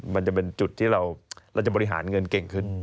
มันจะเป็นจุดที่เราจะบริหารเงินเก่งขึ้น